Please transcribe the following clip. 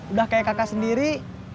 udah kayak kakak sendiri